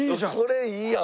これいいやん。